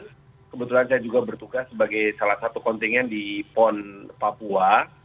kebetulan saya juga bertugas sebagai salah satu kontingen di pon papua